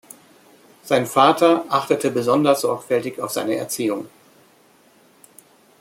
Sein Vater achtete besonders sorgfältig auf seine Erziehung.